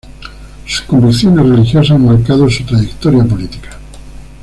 Sus convicciones religiosas han marcado su trayectoria política.